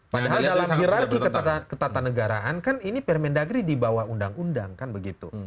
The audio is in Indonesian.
padahal dalam hirarki ketatanegaraan kan ini permendagri di bawah undang undang kan begitu